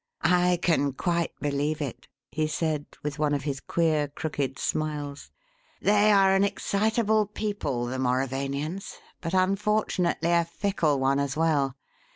"I can quite believe it," he said, with one of his queer, crooked smiles. "They are an excitable people, the Mauravanians, but, unfortunately, a fickle one as well.